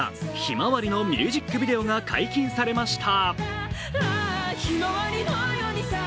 「向日葵」のミュージックビデオが解禁されました。